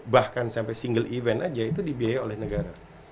bahkan sampai single event aja itu dibiaya oleh negara